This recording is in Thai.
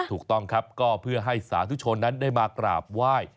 ถูกต้องครับก็เพื่อให้สาธุชนนั้นได้มากราบไหว้